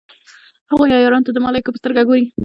هغوی عیارانو ته د ملایکو په سترګه ګوري.